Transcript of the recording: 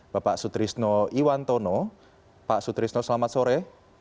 bapak sutrisno iwantono pak sutrisno selamat sore